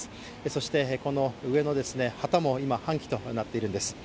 そしこの上の旗も今、半旗となっているんです。